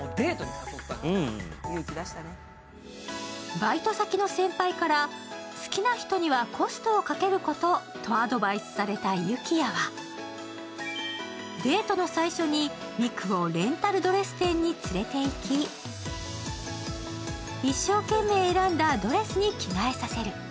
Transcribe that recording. バイト先の先輩から好きな人にはコストをかけることとアドバイスされたゆきやは、デートの最初にみくをレンタルドレス店に連れていき一生懸命選んだドレスに着替えさせる。